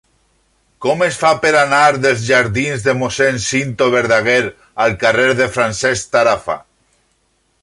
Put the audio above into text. Com es fa per anar dels jardins de Mossèn Cinto Verdaguer al carrer de Francesc Tarafa?